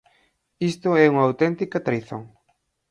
Isto é unha auténtica traizón.